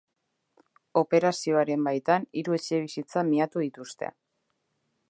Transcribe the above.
Operazioaren baitan hiru etxebizitza miatu dituzte.